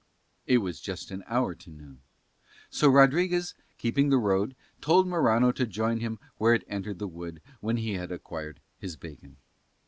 It was just an hour to noon; so Rodriguez, keeping the road, told Morano to join him where it entered the wood when he had acquired his bacon.